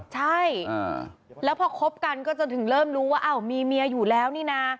ใช่แล้วพอคบกันก็จะถึงเริ่มรู้ว่าอ้าวมีเมียอยู่แล้วนี่นะ